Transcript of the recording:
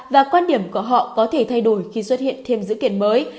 và quan điểm của họ có thể thay đổi khi xuất hiện thiên dữ kiện mới